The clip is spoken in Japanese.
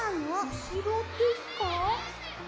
うしろですか？